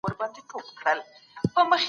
که وخت ساتل سوی وي نو پلان نه ګډوډېږي.